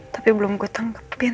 tapi belum gua tanggepin